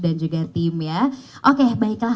dan juga tim ya oke baiklah